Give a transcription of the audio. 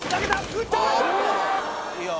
打った！